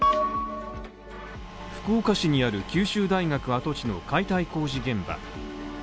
福岡市にある九州大学跡地の解体工事現場。